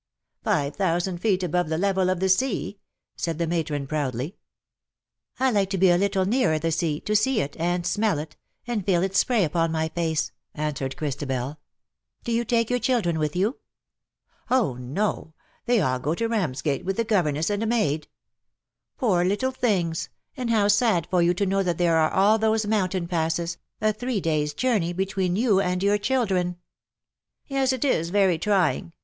'^" Five thousand feet above the level of the sea/^ said the matron proudly. '' I like to be a little nearer the sea — to see it — and smell it — and feel its spray upon my face/^ answered Christabel. ^' Do you take your children with you?" " Oh, no, they all go to Ramsgate with the governess and a maid." 230 LE SECRET DE POLICHINELLE. " Poor little things ! And how sad for you to know that there are all those mountain passes — a three days^ journey — between you and your chil dren." '''Yes_, it is very trying!"